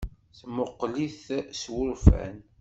Temmuqqel-it s wurfan.